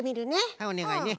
はいおねがいね。